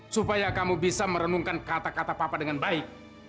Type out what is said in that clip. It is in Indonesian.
supaya kamu bisa merenungkan kata kata papa dengan baik